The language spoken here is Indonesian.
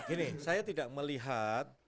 ini saya tidak melihat